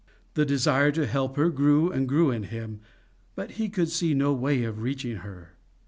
The desire to help her grew and grew in him, but he could see no way of reaching her.